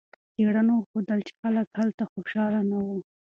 څېړنو وښودله چې خلک هلته خوشحاله نه وو.